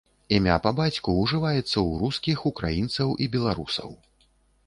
Імя па бацьку ўжываецца ў рускіх, украінцаў і беларусаў.